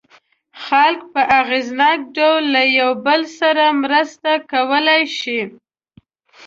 خلک په اغېزناک ډول له یو بل سره مرسته کولای شي.